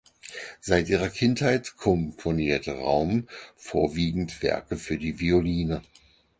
Seit ihrer Kindheit komponierte Raum vorwiegend Werke für die Violine.